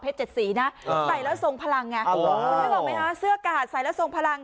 เพภเจ็ดสีนะเอาไงฟังไหมฮะเสื้อกราศใส่แล้วทรงพลัง